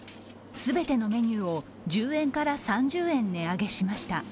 全てのメニューを１０円から３０円値上げしました。